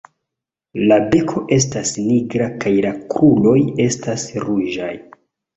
La beko estas nigra kaj la kruroj estas ruĝaj.